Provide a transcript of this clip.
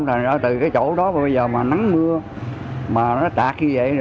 tại ra từ cái chỗ đó bây giờ mà nắng mưa mà nó tạc như vậy